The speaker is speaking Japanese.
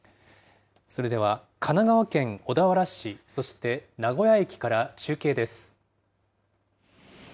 それでは、神奈川県小田原市、そして名古屋駅から中継です。